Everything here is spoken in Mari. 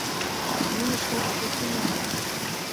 Нуно шке огыт тунем.